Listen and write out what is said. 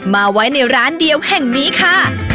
มาไว้ในร้านเดียวแห่งนี้ค่ะ